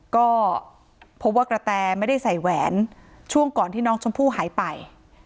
ก็พบว่ากระแตไม่ได้ใส่แหวนช่วงก่อนที่น้องชมพู่หายไป